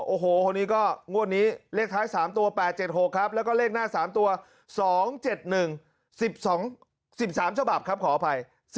โอ้โหคนนี้ก็งวดนี้เลขท้าย๓ตัว๘๗๖ครับแล้วก็เลขหน้า๓ตัว๒๗๑๑๒๑๓ฉบับครับขออภัย